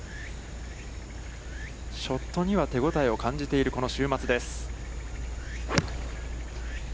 ショットには手応えを感じているこの週末です。